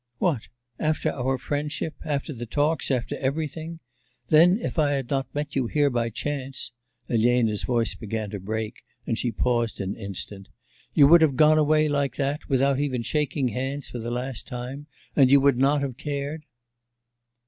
'What? After our friendship, after the talks, after everything.... Then if I had not met you here by chance.' (Elena's voice began to break, and she paused an instant)... 'you would have gone away like that, without even shaking hands for the last time, and you would not have cared?